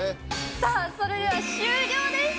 さあ、それでは終了です。